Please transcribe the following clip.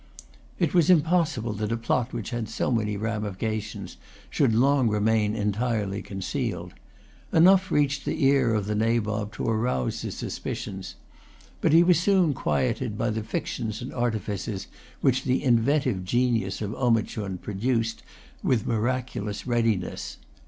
It was impossible that a plot which had so many ramifications should long remain entirely concealed. Enough reached the ear of the Nabob to arouse his suspicions. But he was soon quieted by the fictions and artifices which the inventive genius of Omichund produced with miraculous readiness.